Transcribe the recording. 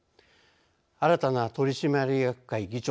新たな取締役会議長